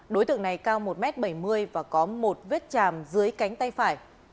đối tượng này cao một m bảy mươi và có một vết chàm dưới cánh tay phải